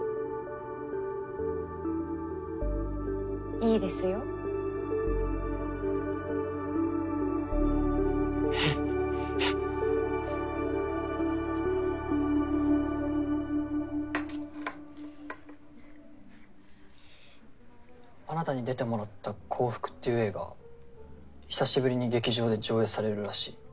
いいですよえっえっあなたに出てもらった「降伏」っていう映画久しぶりに劇場で上映されるらしい。